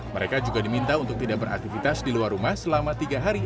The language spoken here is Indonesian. mereka juga diminta untuk tidak beraktivitas di luar rumah selama tiga hari